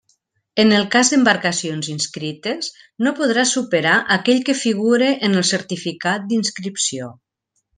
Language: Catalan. En el cas d'embarcacions inscrites, no podrà superar aquell que figure en el certificat d'inscripció.